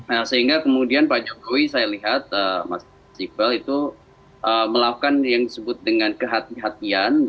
nah sehingga kemudian pak jokowi saya lihat mas iqbal itu melakukan yang disebut dengan kehatian kehatian